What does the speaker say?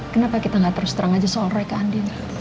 kenapa kita gak terus terang aja soal roy ke andi